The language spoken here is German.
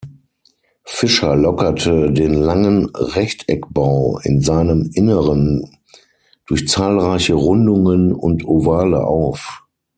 Fischer lockerte den langen Rechteckbau in seinem Inneren durch zahlreiche Rundungen und Ovale auf.